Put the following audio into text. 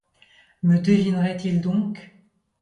me devinerait-il donc ?